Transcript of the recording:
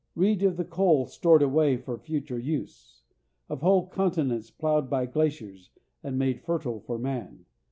Read of the coal stored away for future use; of whole continents plowed by glaciers, and made fertile for man.